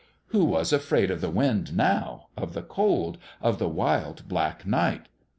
Who was afraid of the wind, now of the cold of the wild, black night ?